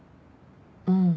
うん。